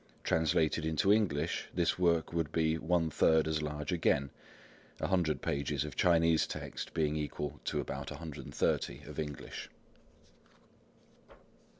Translated into English, this work would be one third as large again, 100 pages of Chinese text being equal to about 130 of English.